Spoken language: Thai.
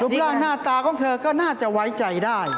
ร่างหน้าตาของเธอก็น่าจะไว้ใจได้